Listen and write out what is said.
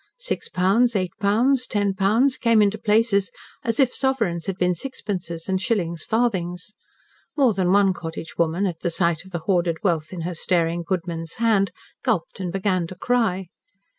Six pounds, eight pounds, ten pounds, came into places as if sovereigns had been sixpences, and shillings farthings. More than one cottage woman, at the sight of the hoarded wealth in her staring goodman's hand, gulped and began to cry.